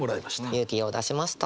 勇気を出しました。